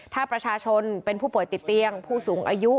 ถ้าประชาชนเป็นผู้ป่วยติดเตียงผู้สูงอายุ